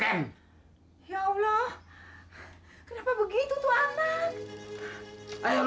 ya allah kenapa begitu tuan anang